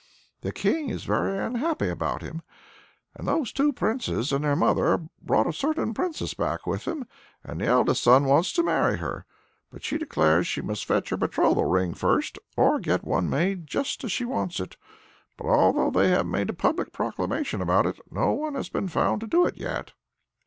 The King is very unhappy about him. And those two Princes and their mother brought a certain Princess back with them; and the eldest son wants to marry her, but she declares he must fetch her her betrothal ring first, or get one made just as she wants it. But although they have made a public proclamation about it, no one has been found to do it yet."